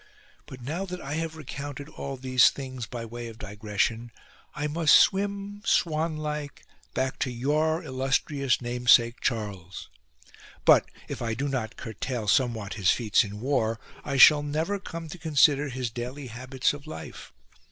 But now that I have recounted all these things by way of digression I must swim swan like back to your illustrious namesake Charles. But, if I do not curtail somewhat his feats in war, I shall never come to consider his daily habits of life.